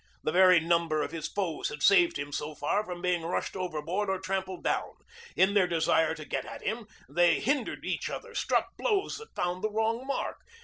The very number of his foes had saved him so far from being rushed overboard or trampled down. In their desire to get at him they hindered each other, struck blows that found the wrong mark.